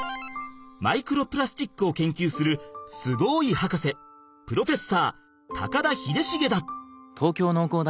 マイクロプラスチックを研究するすごいはかせプロフェッサー高田秀重だ！